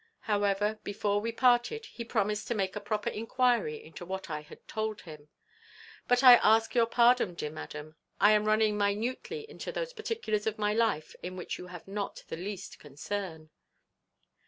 However, before we parted he promised to make a proper enquiry into what I had told him. But I ask your pardon, dear madam, I am running minutely into those particulars of my life in which you have not the least concern."